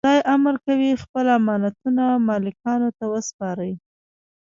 خدای امر کوي خپل امانتونه مالکانو ته وسپارئ.